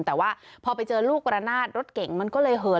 แต่ว่าพอไปเจอลูกประนาทรถเก่งมันก็เลยเหิน